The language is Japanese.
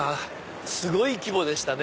すごい規模でしたね。